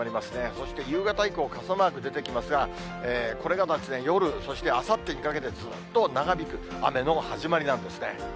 そして夕方以降、傘マーク出てきますが、これが夜、そしてあさってにかけてずっと長引く雨の始まりなんですね。